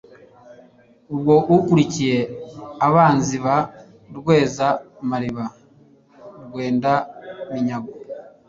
Ubwo akurikiye abanzi Ba Rweza-mariba Rwenda minyago.